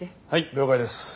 了解です。